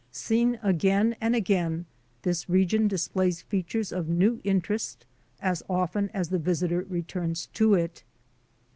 Seen again and again, this re gion displays features of new interest as often as the visitor returns to it.